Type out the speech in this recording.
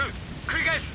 繰り返す！